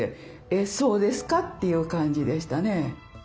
えっそうですか？という感じでしたね。